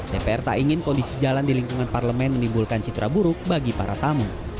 dpr tak ingin kondisi jalan di lingkungan parlemen menimbulkan citra buruk bagi para tamu